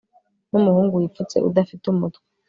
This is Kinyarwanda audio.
numuhungu wipfutse, udafite umutwe